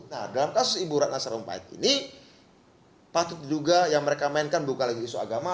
nah dalam kasus ibu ratna sarumpait ini patut diduga yang mereka mainkan bukan lagi isu agama